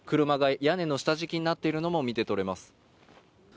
車が屋根の下敷きになっているのも見て取れます。